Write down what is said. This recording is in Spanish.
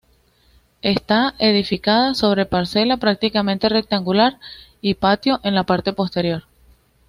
Está edificada sobre parcela prácticamente rectangular y patio en la parte posterior.